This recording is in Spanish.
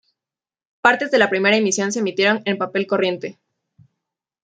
Partes de la primera emisión se emitieron en papel corriente.